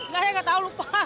gak gak tau lupa